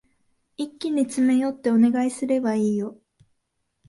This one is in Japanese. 一気に詰め寄ってお願いすればいいよ。